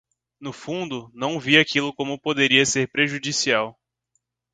No fundo, não via como aquilo poderia ser prejudicial.